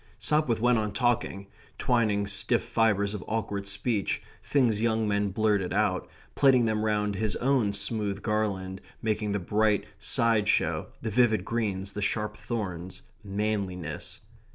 Sopwith went on talking; twining stiff fibres of awkward speech things young men blurted out plaiting them round his own smooth garland, making the bright side show, the vivid greens, the sharp thorns, manliness.